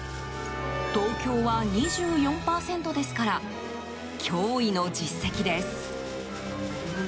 東京は２４％ですから驚異の実績です。